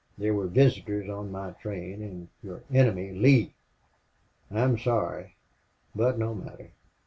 There were visitors on my train and your enemy Lee. I'm sorry but, no matter.